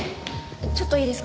ちょっといいですか？